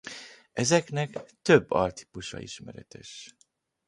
Ezeknek több altípusa ismeretes.